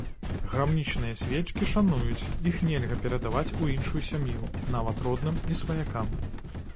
Грамнічныя свечкі шануюць, іх нельга перадаваць у іншую сям'ю, нават родным і сваякам.